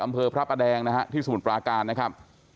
อำเภอพระประแดงณที่สมุทรปลากาลนะครับ